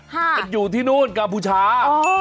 มันอยู่ที่นู่นกัมพูชา